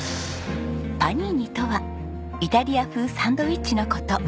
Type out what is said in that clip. パニーニとはイタリア風サンドイッチの事。